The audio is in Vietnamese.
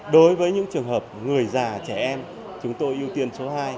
đối với những trường hợp người già trẻ em chúng tôi ưu tiên số hai